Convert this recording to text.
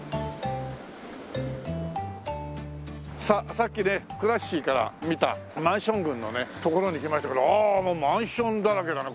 さっきねクラッシィから見たマンション群の所に来ましたけどああもうマンションだらけだね